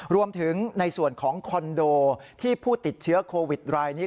รวมถึงในส่วนของคอนโดที่ผู้ติดเชื้อโควิดรายนี้